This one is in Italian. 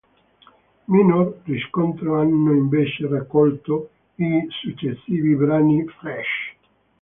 Minor riscontro hanno invece raccolto i successivi brani "Fresh!